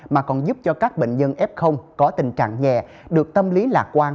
mà còn giúp cho các bệnh nhân f có tình trạng nhẹ được tâm lý lạc quan